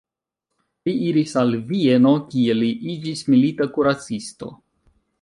Li iris al Vieno kie li iĝis milita kuracisto.